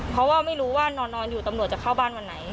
เพราะว่าไม่รู้ว่านอนอยู่ตำรวจจะเข้าบ้านวันไหน